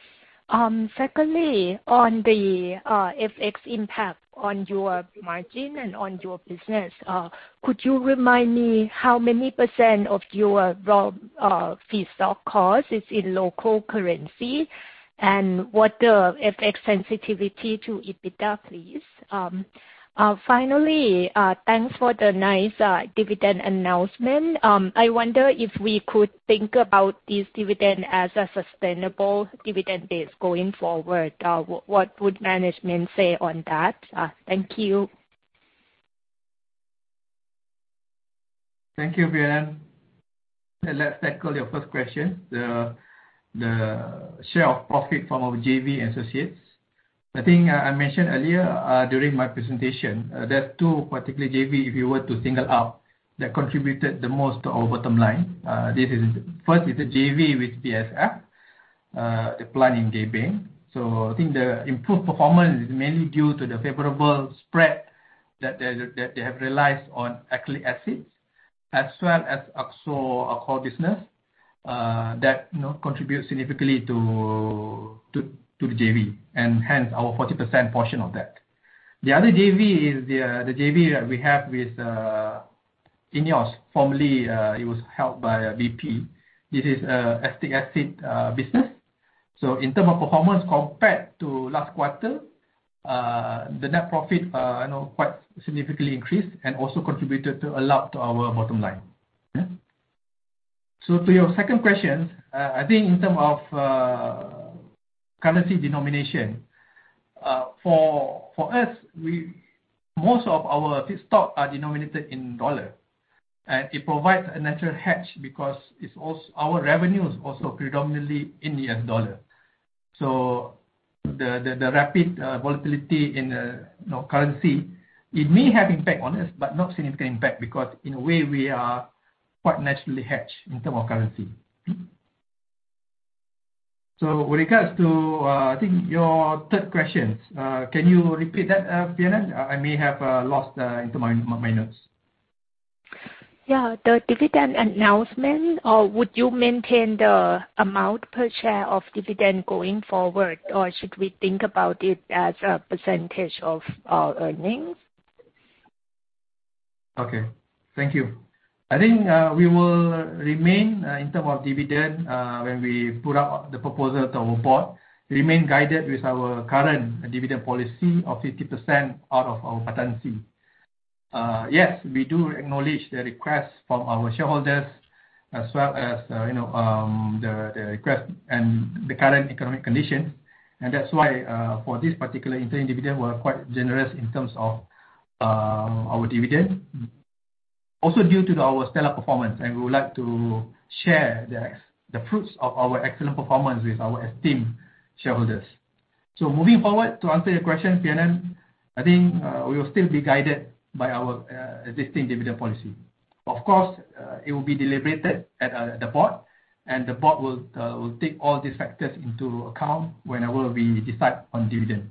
Secondly, on the FX impact on your margin and on your business, could you remind me how many % of your raw feedstock cost is in local currency? What the FX sensitivity to EBITDA, please? Finally, thanks for the nice dividend announcement. I wonder if we could think about this dividend as a sustainable dividend base going forward. What would management say on that? Thank you. Thank you, Pinyan. Let's tackle your first question, the share of profit from our JV associates. I think I mentioned earlier, during my presentation, there are two particular JV, if you were to single out, that contributed the most to our bottom line. First is the JV with BASF, the plant in Gebeng. I think the improved performance is mainly due to the favorable spread that they have realized on acrylic acids as well as oxo alcohol business, that contributes significantly to the JV and hence our 40% portion of that. The other JV is the JV that we have with INEOS. Formerly, it was held by BP. This is a acetic acid business. In term of performance compared to last quarter, the net profit quite significantly increased and also contributed a lot to our bottom line. To your second question, I think in terms of currency denomination. For us, most of our feedstock are denominated in U.S. dollar. It provides a natural hedge because our revenue is also predominantly in U.S. dollar. The rapid volatility in currency, it may have impact on us, but not significant impact because in a way we are quite naturally hedged in terms of currency. With regards to, I think your third question, can you repeat that, Pinyan? I may have lost it into my notes. The dividend announcement, would you maintain the amount per share of dividend going forward? Or should we think about it as a percentage of our earnings? Okay. Thank you. I think we will remain, in term of dividend, when we put out the proposal to our board, remain guided with our current dividend policy of 50% out of our PAT. Yes, we do acknowledge the request from our shareholders as well as the request and the current economic conditions. That's why, for this particular interim dividend, we're quite generous in terms of our dividend. Also due to our stellar performance, and we would like to share the fruits of our excellent performance with our esteemed shareholders. Moving forward, to answer your question, Pinyan, I think we will still be guided by our existing dividend policy. Of course, it will be deliberated at the board, and the board will take all these factors into account whenever we decide on dividend.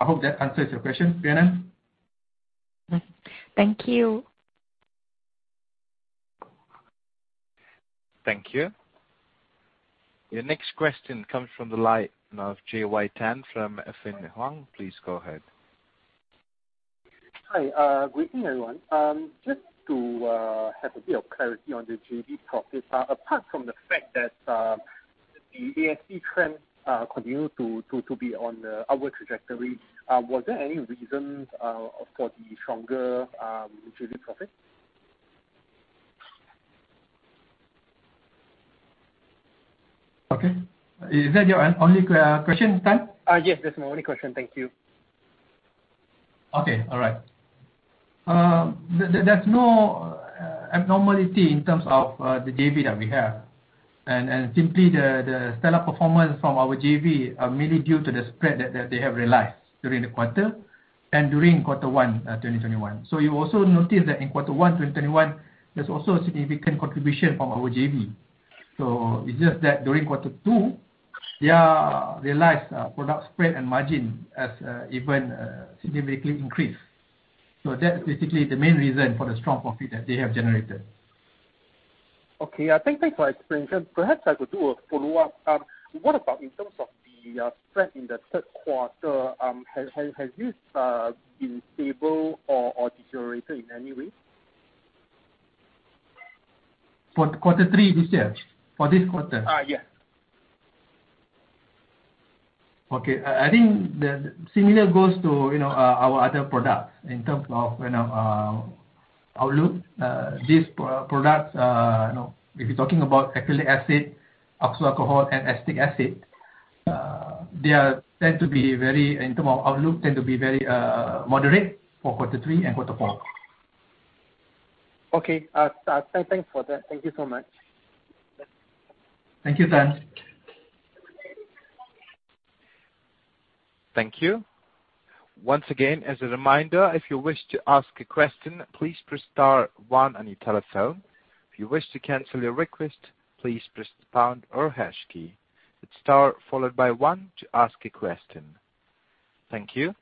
I hope that answers your question, Pinyan. Thank you. Thank you. Your next question comes from the line of JY Tan from Affin Hwang. Please go ahead. Hi. Greetings, everyone. Just to have a bit of clarity on the JV profit. Apart from the fact that the [inaudible] trend continue to be on the upward trajectory, was there any reasons for the stronger JV profit? Okay. Is that your only question, Tan? Yes, that's my only question. Thank you. Okay. All right. There's no abnormality in terms of the JV that we have. Simply the stellar performance from our JV are mainly due to the spread that they have realized during the quarter and during quarter one, 2021. You also notice that in quarter one, 2021, there's also a significant contribution from our JV. It's just that during quarter two, they realized product spread and margin has even significantly increased. That's basically the main reason for the strong profit that they have generated. Okay. Thank you for explanation. Perhaps I could do a follow-up. What about in terms of the spread in the third quarter, has this been stable or deteriorated in any way? For quarter three this year? For this quarter? Yes. Okay. I think similar goes to our other products in terms of outlook. These products, if you're talking about acrylic acid, oxo alcohol, and acetic acid, in term of outlook, tend to be very moderate for quarter three and quarter four. Okay. Thanks for that. Thank you so much. Thank you, Tan. Thank you. Once again, as a reminder, if you wish to ask a question, please press star one on your telephone. If you wish to cancel your request, please press the pound or hash key. It's star followed by one to ask a question. Thank you.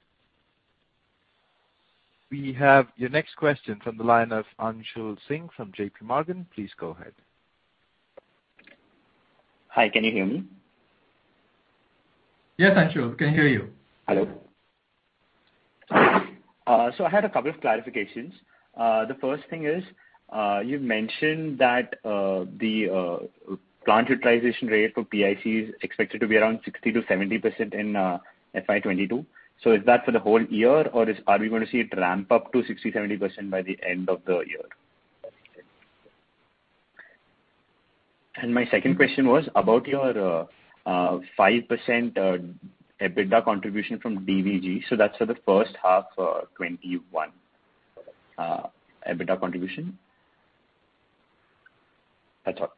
We have your next question from the line of Anshool Singhi from JPMorgan. Please go ahead. Hi, can you hear me? Yes, Anshul, we can hear you. Hello. I had a couple of clarifications. The first thing is, you mentioned that the plant utilization rate for PIC is expected to be around 60%-70% in FY 2022. Is that for the whole year, or are we going to see it ramp up to 60%-70% by the end of the year? My second question was about your 5% EBITDA contribution from DVG. That's for the first half for 2021, EBITDA contribution? That's all.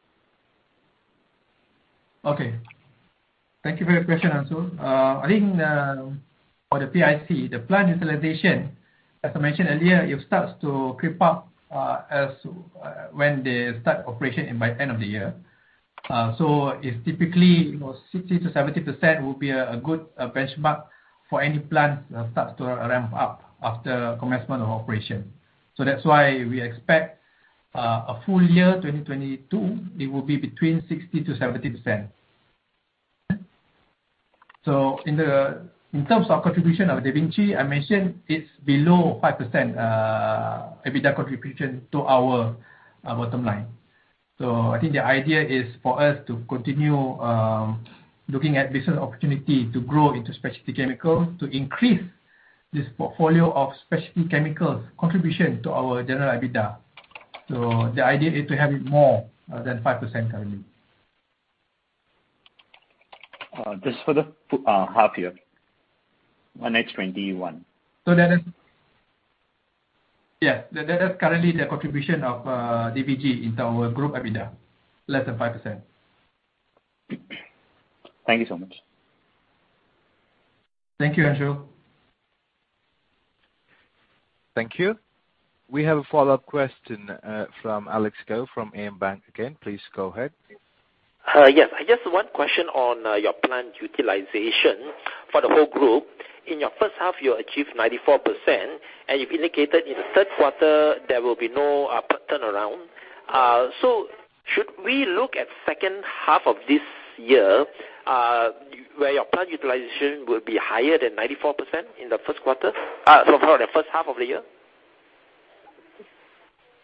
Okay. Thank you for your question, Anshool. I think for the PIC, the plant utilization, as I mentioned earlier, it starts to creep up when they start operation by end of the year. It's typically 60%-70% will be a good benchmark for any plant that starts to ramp up after commencement of operation. That's why we expect a full year 2022, it will be between 60%-70%. In terms of contribution of Da Vinci, I mentioned it's below 5% EBITDA contribution to our bottom line. I think the idea is for us to continue looking at business opportunity to grow into specialty chemicals, to increase this portfolio of specialty chemicals contribution to our general EBITDA. The idea is to have it more than 5% currently. Just for the half year, 1H 2021. Yes. That is currently the contribution of DVG into our group EBITDA, less than 5%. Thank you so much. Thank you, Anshool. Thank you. We have a follow-up question, from Alex Goh from AmBank again. Please go ahead. Yes. I guess one question on your plant utilization for the whole group. In your first half, you achieved 94%, and you've indicated in the third quarter there will be no turnaround. Should we look at second half of this year, where your plant utilization will be higher than 94% in the first quarter, sorry, for the first half of the year?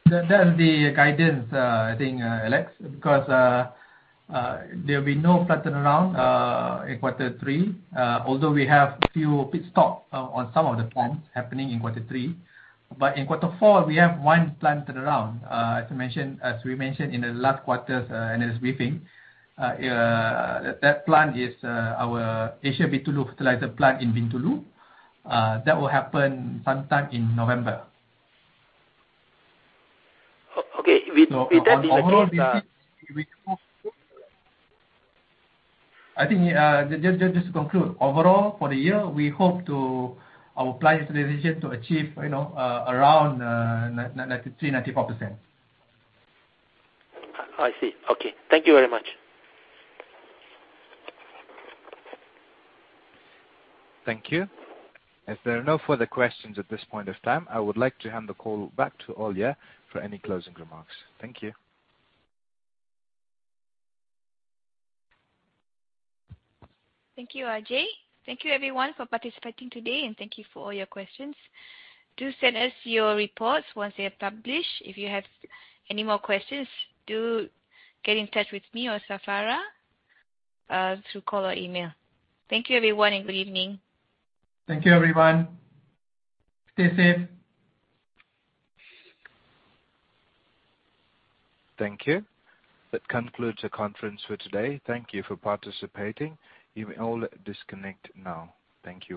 That is the guidance, I think, Alex, because there'll be no turnaround in quarter three, although we have a few pit stop on some of the plants happening in quarter three. In quarter four, we have one plant turnaround, as we mentioned in the last quarter's earnings briefing. That plant is our ASEAN Bintulu Fertilizer Plant in Bintulu. That will happen sometime in November. Okay. With that being said- On the whole, I think just to conclude, overall for the year, we hope our plant utilization to achieve around 93%, 94%. I see. Okay. Thank you very much. Thank you. If there are no further questions at this point of time, I would like to hand the call back to Alia for any closing remarks. Thank you. Thank you, RJ. Thank you, everyone, for participating today. Thank you for all your questions. Do send us your reports once they are published. If you have any more questions, do get in touch with me or Safarah through call or email. Thank you, everyone. Good evening. Thank you, everyone. Stay safe. Thank you. That concludes the conference for today. Thank you for participating. You may all disconnect now. Thank you.